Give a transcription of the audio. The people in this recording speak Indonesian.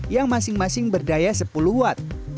yang masing masing berdaya sepuluh watt